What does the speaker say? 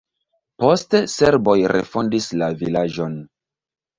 Poste serboj refondis la vilaĝon.